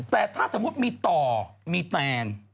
แต่ถ้าสมมุติมีต่อมีแตน